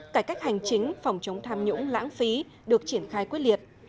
cải cách hành chính phòng chống tham nhũng lãng phí được triển khai quyết liệt